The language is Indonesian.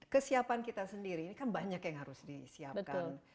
kesiapan kita sendiri ini kan banyak yang harus disiapkan